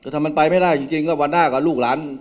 แต่ถ้ามันไปไม่ได้จริงก็วันหน้ากับลูกหลาน